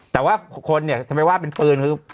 แต่ว่าคนสมัยว่าเป็นปืน